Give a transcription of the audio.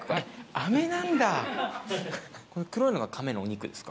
アメなんだ。